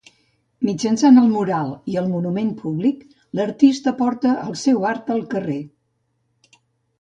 Mitjançant el mural i el monument públic, l'artista porta el seu art al carrer.